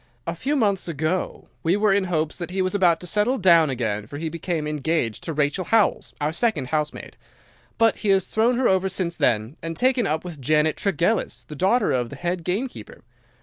A few months ago we were in hopes that he was about to settle down again for he became engaged to Rachel Howells, our second housemaid; but he has thrown her over since then and taken up with Janet Tregellis, the daughter of the head gamekeeper.